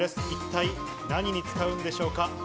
一体何に使うんでしょうか？